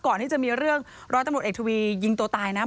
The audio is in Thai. ก่อนที่จะมีเรื่องร้อยตำรวจเอกทวียิงตัวตายนะ